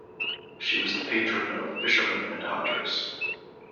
She was the patron of fisherman and hunters.